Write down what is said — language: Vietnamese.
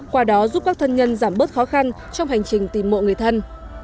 qua đó giúp các thân nhân giảm bớt khó khăn trong hành trình tìm mộ người thân